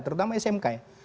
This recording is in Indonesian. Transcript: terutama smk ya